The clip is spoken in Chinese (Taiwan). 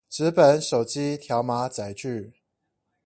紙本手機條碼載具